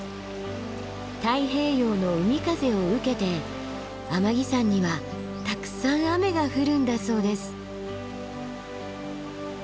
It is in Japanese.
太平洋の海風を受けて天城山にはたくさん雨が降るんだそうです。